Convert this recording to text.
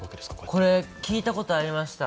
これ、聞いたことありました。